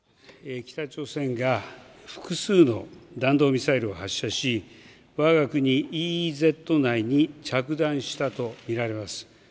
北朝鮮が複数の弾道ミサイルを発射しわが国、ＥＥＺ内に着弾したと見られます。